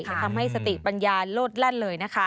ทำให้สติปัญญาโลดแล่นเลยนะคะ